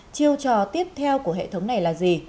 chiêu trò tiếp theo của hệ thống này là gì